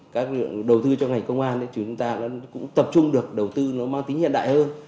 cái ngành công an chúng ta cũng tập trung được đầu tư nó mang tính hiện đại hơn